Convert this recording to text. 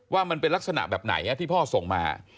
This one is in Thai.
ว่ามันเป็นลักษณะแบบไหนที่พ่อส่งมา